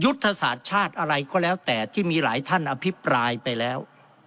ยุทธศาสตร์ชาติอะไรก็แล้วแต่ที่มีหลายท่านอภิปรายไปแล้ว